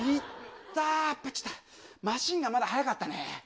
マシンガン、まだ早かったね。